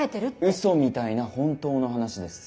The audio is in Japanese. うそみたいな本当の話です。